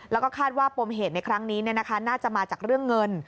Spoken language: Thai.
แล้วก็คาดว่าปมเหตุในครั้งนี้น่าจะมาจากเรื่องเงิน